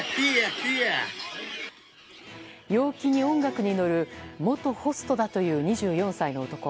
陽気に音楽に乗る元ホストだという２４歳の男。